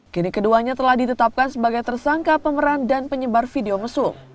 kini keduanya telah ditetapkan sebagai tersangka pemeran dan penyebar video mesum